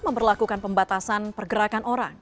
memperlakukan pembatasan pergerakan orang